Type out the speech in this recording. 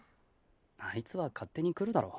あいつは勝手に来るだろ。